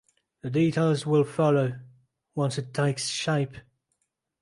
The details will follow once it takes shape.